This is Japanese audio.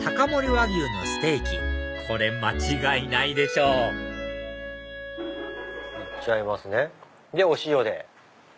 和牛のステーキこれ間違いないでしょいっちゃいますねお塩で。